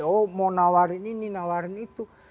oh mau nawarin ini nawarin itu